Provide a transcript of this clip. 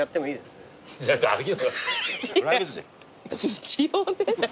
一応ね。